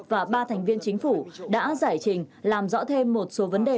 và ba thành viên chính phủ đã giải trình làm rõ thêm một số vấn đề